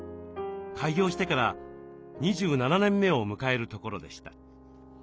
開業してから２７年目を迎えるところでした。